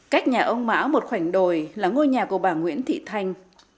cách nhà ông mã một khoảnh đồi là ngôi nhà của bà nguyễn thị thanh